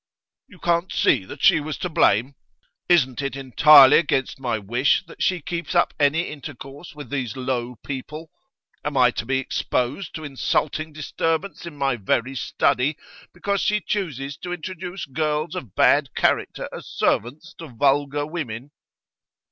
'You can't see that she was to blame? Isn't it entirely against my wish that she keeps up any intercourse with those low people? Am I to be exposed to insulting disturbance in my very study, because she chooses to introduce girls of bad character as servants to vulgar women?